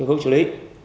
và số hướng xử lý